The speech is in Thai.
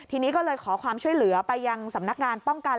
ทีนี้ก็เลยขอความช่วยเหลือไปยังสำนักงานป้องกัน